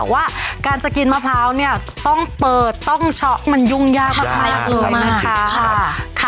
ว่าการจะกินมะพร้าวเนี่ยต้องเปิดต้องช็อกมันยุ่งยากมากเลยนะคะ